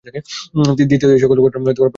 দ্বিতীয়ত এই-সকল ঘটনা পর্যায়ক্রমে ঘটে।